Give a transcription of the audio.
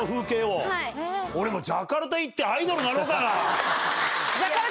俺、ジャカルタ行って、アイドルになろうかな。